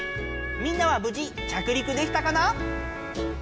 みんなはぶじ着陸できたかな？